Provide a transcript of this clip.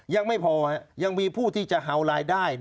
ยังไม่พอยังมีผู้ที่จะเห่ารายได้